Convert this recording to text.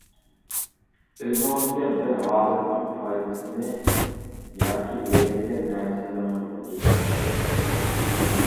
ئۆزىڭىزگە بىر ھالەتنىڭ پايدىسىنى ياكى ئۆگەنگەن نەرسىلىرىڭىزنى ئېيتىپ بېرىڭ.